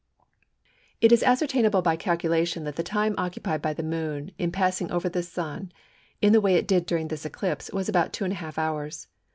It is ascertainable by calculation that the time occupied by the Moon in passing over the Sun, in the way it did during this eclipse, was about 2½ hours.